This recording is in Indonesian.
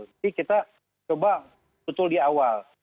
jadi kita coba tutul di awal